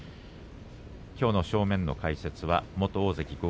きょうの正面の解説は元大関豪